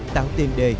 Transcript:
tạo tiền đề